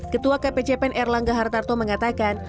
ketua kpcpen erlangga hartarto mengatakan